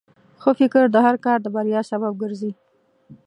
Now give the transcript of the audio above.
ښه فکر د هر کار د بریا سبب ګرځي.